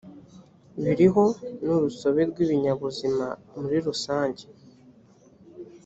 biriho n urusobe rw ibinyabuzima muri rusange